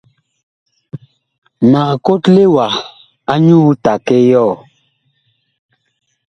Mag kotle wa anyuú take yɔɔ.